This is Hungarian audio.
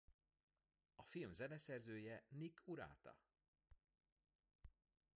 A film zeneszerzője Nick Urata.